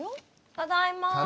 ただいま。